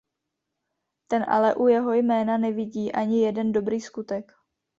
Ten ale u jeho jména nevidí ani jeden dobrý skutek.